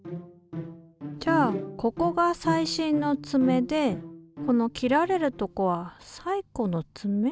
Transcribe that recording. じゃあここが最新のつめでこの切られるとこは最古のつめ？